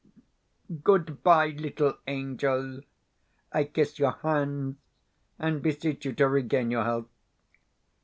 Goodbye, little angel. I kiss your hands, and beseech you to regain your health.